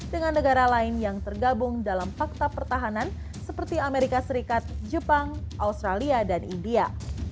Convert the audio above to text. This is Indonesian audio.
dengan negara lain yang tergabung dalam fakta pertahanan seperti amerika serikat jepang australia dan india